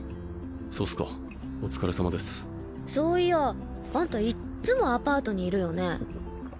そうっすかお疲れさまですそういやあんたいっつもアパートにいるよね